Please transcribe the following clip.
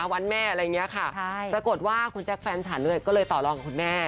วันแม่อะไรอย่างนี้ค่ะปรากฏว่าคุณแจ๊คแฟนฉันก็เลยต่อรองกับคุณแม่